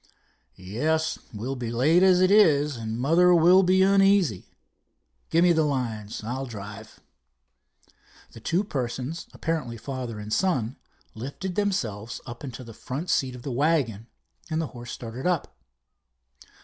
"Yes, we'll be late as it is, and mother will be uneasy. Give me the lines. I'll drive." Two persons, apparently father and son, lifted themselves up into the front seat of the wagon, and the horse started up.